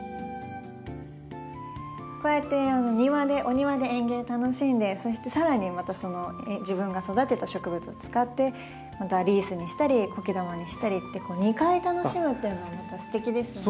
こうやって庭でお庭で園芸楽しんでそしてさらにまた自分が育てた植物を使ってまたリースにしたりコケ玉にしたりって２回楽しむっていうのもまたすてきですよね。